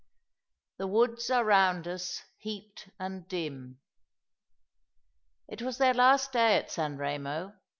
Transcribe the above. "the woods are eound us, heaped and dim." It was their last day at San Remo.